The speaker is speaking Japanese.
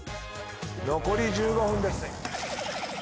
残り１５分です。